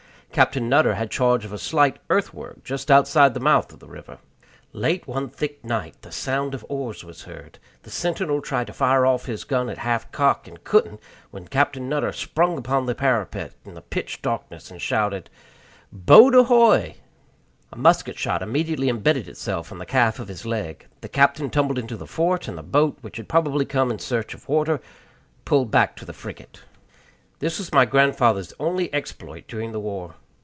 Captain Nutter had charge of a slight earthwork just outside the mouth of the river. Late one thick night the sound of oars was heard; the sentinel tried to fire off his gun at half cock, and couldn't, when Captain Nutter sprung upon the parapet in the pitch darkness, and shouted, "Boat ahoyl" A musket shot immediately embedded itself in the calf of his leg. The Captain tumbled into the fort and the boat, which had probably come in search of water, pulled back to the frigate. This was my grandfather's only exploit during the war.